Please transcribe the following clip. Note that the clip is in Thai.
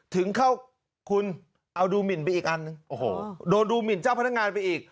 ถึงเข้าคุณเอาดูหมินไปอีกอันนึงโอ้โหโดนดูหมินเจ้าพนักงานไปอีก